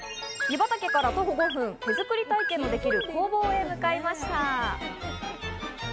湯畑から徒歩５分、手作り体験ができる工房へ向かいました。